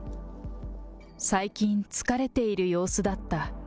最近疲れている様子だった。